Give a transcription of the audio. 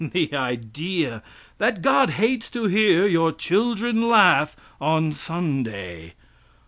The idea, that God hates to hear your children laugh on Sunday!